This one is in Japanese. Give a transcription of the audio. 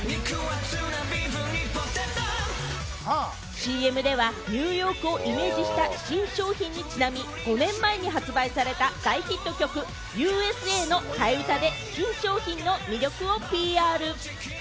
ＣＭでは、ニューヨークをイメージした新商品にちなみ、５年前に発売された大ヒット曲『Ｕ．Ｓ．Ａ．』の替え歌で新商品の魅力をＰＲ。